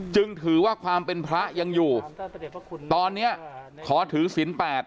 จึงถือว่าความเป็นพระยังอยู่ตอนเนี่ยขอถือศีล๘